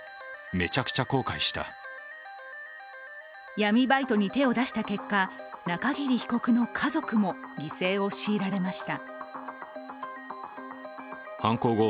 闇バイトに手を出した結果、中桐被告の家族も犠牲を強いられました。